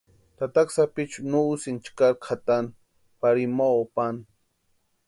Tataka sapichu nu úsïnti chkari kʼatani pari imoo pani.